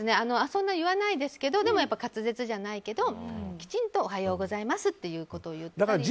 そんなに言わないですけど滑舌じゃないけどきちんとおはようございますっていうことを言ったりとかは。